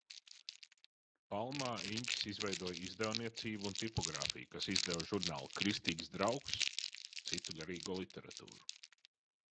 "Palmā Iņķis izveidoja izdevniecību un tipogrāfiju, kas izdeva žurnālu "Kristīgs Draugs", citu garīgo literatūru."